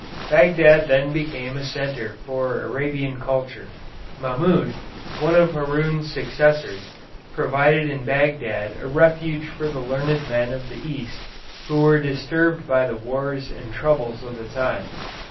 Bagdad then became a centre for Arabian culture. Mahmoud, one of Haroun's successors, provided in Bagdad a refuge for the learned men of the East who were disturbed by the wars and troubles of the time.